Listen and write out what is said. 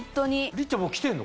りっちゃんもう着てるの？